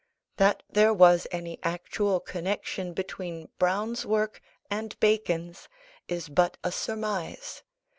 That there was any actual connexion between Browne's work and Bacon's is but a surmise.